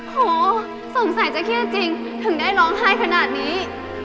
โหสงสัยจะเครียดจริงถึงได้ร้องไห้ขนาดนี้